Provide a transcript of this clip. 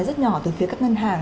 rất nhỏ từ phía các ngân hàng